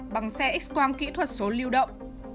bằng xe x quang kỹ thuật số lưu động